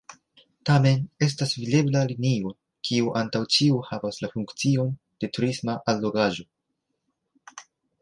Tamen estas videbla linio, kio antaŭ ĉio havas la funkcion de turisma allogaĵo.